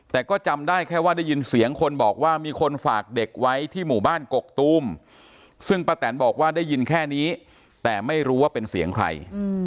แต่ก็จำได้แค่ว่าได้ยินเสียงคนบอกว่ามีคนฝากเด็กไว้ที่หมู่บ้านกกตูมซึ่งป้าแตนบอกว่าได้ยินแค่นี้แต่ไม่รู้ว่าเป็นเสียงใคร